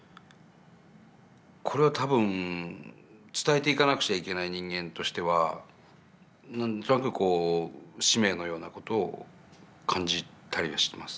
これは多分伝えていかなくちゃいけない人間としては何となくこう使命のような事を感じたりはしてますね。